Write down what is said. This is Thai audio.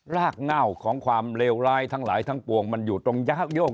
รากเง่าของความเลวร้ายทั้งหลายทั้งปวงมันอยู่ตรงยากโยก